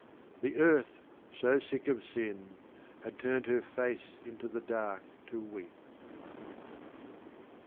The earth, so sick of sin, Had turned her face into the dark to weep.